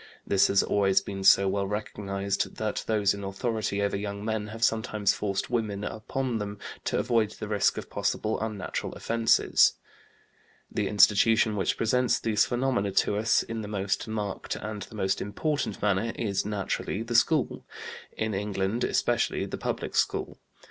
This has always been so well recognized that those in authority over young men have sometimes forced women upon them to avoid the risk of possible unnatural offenses. The institution which presents these phenomena to us in the most marked and the most important manner is, naturally, the school, in England especially the Public School.